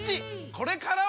これからは！